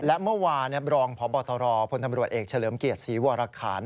และเมื่อวานรองพบรพทเอกเฉลิมเกียรติศรีวรรคาน